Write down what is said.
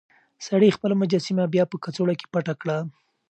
سړي خپله مجسمه بيا په کڅوړه کې پټه کړه.